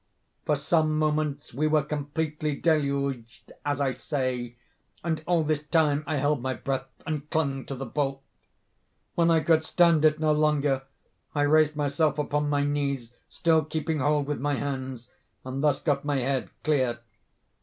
"For some moments we were completely deluged, as I say, and all this time I held my breath, and clung to the bolt. When I could stand it no longer I raised myself upon my knees, still keeping hold with my hands, and thus got my head clear.